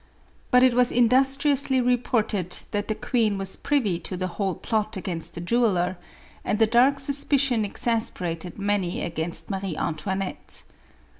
But it was industriously reported that the queen was privy to the whole plot against the jeweler, and the dark suspicion exasperated many against Marie Antoinette.